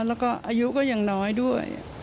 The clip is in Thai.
แล้วก็อายุก็ยังน้อยด้วย